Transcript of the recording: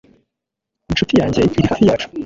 Nshuti yanjye iri hafi yacu